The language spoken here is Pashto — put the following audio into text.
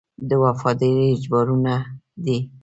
د وفادارۍ اجبارونه دي.